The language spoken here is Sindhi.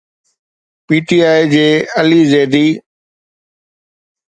پي ٽي آءِ جي علي زيدي